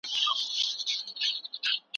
اسلام وایي چې زده کړه وکړئ.